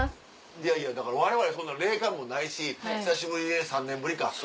いやいやだからわれわれそんな霊感もないし久しぶりで３年ぶりか。